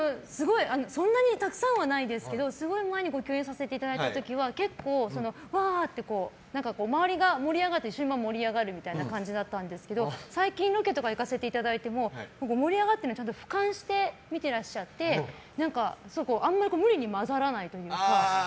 そんなにたくさんはないんですけどすごい前にご共演させていただいた時は結構わーって周りが盛り上がって一緒に盛り上がるみたいな感じだったんですけど最近ロケとか行かせていただいても盛り上がってるのを俯瞰して見てらっしゃってあんまり無理に混ざらないというか。